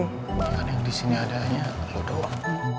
ya kan yang disini ada hanya lo doang